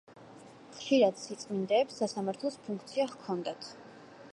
ხშირად სიწმინდეებს „სასამართლოს“ ფუნქცია ჰქონდათ.